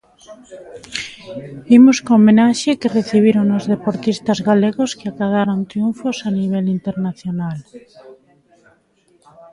Imos coa homenaxe que recibiron os deportistas galegos que acadaron triunfos a nivel internacional.